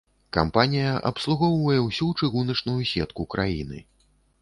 Кампанія абслугоўвае ўсю чыгуначную сетку краіны.